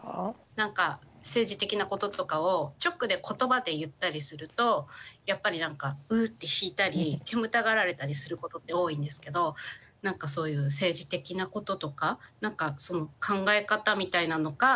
何か政治的なこととかを直で言葉で言ったりするとやっぱり何かうって引いたり煙たがられたりすることって多いんですけど何かそういう政治的なこととか考え方みたいなのか